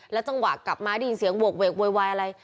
จังหวะกลับมาได้ยินเสียงโหกเวกโวยวายอะไร